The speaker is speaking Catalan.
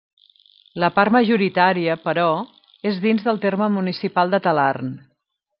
La part majoritària, però, és dins del terme municipal de Talarn.